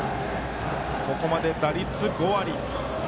ここまで打率５割。